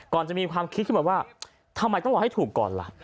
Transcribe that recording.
จะมีความคิดขึ้นมาว่าทำไมต้องรอให้ถูกก่อนล่ะ